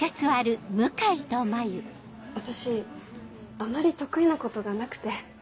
私あまり得意なことがなくて。